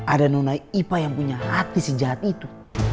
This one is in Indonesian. ada nonai ipa yang punya hati sejahat itu